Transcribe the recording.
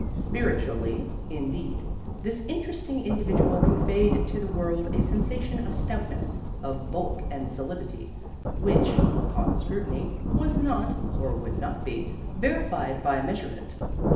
Spiritually, in deed, this interesting individual conveyed to the world a sensation of stoutness, of bulk and solidity, which (upon scrutiny) was not (or would not be) verified by measurement.